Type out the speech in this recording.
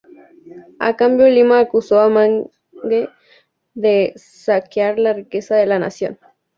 A cambio Lima acusó a Mangue de saquear la riqueza de la nación.